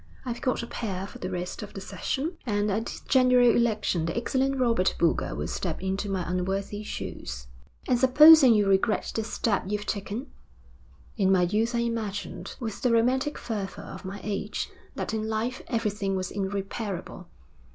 I've got a pair for the rest of the session, and at the general election the excellent Robert Boulger will step into my unworthy shoes.' 'And supposing you regret the step you've taken?' 'In my youth I imagined, with the romantic fervour of my age, that in life everything was irreparable.